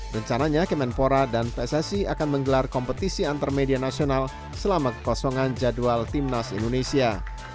rencananya kemenpora dan pssi akan menggelar kompetisi antarmedia nasional selama kekosongan jadwal timnas indonesia